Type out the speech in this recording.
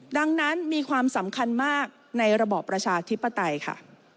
ดังนั้นมีความสำคัญมากในระบอบประชาธิปไตยค่ะ